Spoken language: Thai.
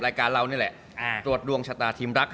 รายการเรานี่แหละตรวจดวงชะตาทีมรัก